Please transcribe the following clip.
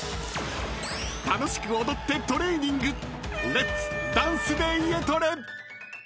［楽しく踊ってトレーニング！］